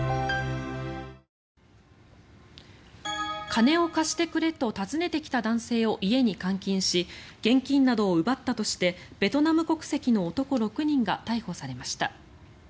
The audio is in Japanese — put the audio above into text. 金を貸してくれと訪ねてきた男性を家に監禁し現金などを奪ったとしてベトナム国籍の男６人が逮捕されました。